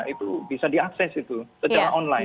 itu bisa diakses itu secara online